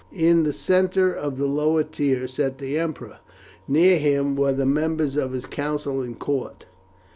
In the centre of the lower tier sat the emperor; near him were the members of his council and court.